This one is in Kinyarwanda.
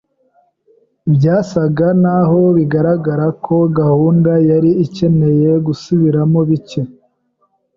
Byasaga naho bigaragara ko gahunda yari ikeneye gusubiramo bike.